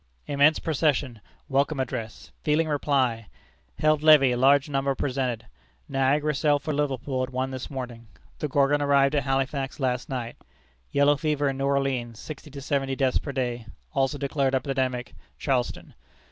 Immense procession welcome address feeling reply. Held levee large number presented. Niagara sailed for Liverpool at one this morning. The Gorgon arrived at Halifax last night. Yellow fever in New Orleans, sixty to seventy deaths per day. Also declared epidemic, Charleston.